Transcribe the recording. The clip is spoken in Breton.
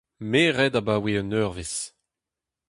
Me 'red abaoe un eurvezh.